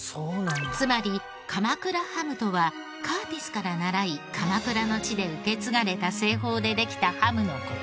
つまり鎌倉ハムとはカーティスから習い鎌倉の地で受け継がれた製法でできたハムの事。